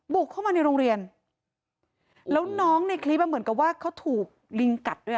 บุกเข้ามาในโรงเรียนแล้วน้องในคลิปอ่ะเหมือนกับว่าเขาถูกลิงกัดด้วย